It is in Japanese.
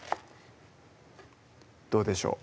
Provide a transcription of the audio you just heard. どうでしょう？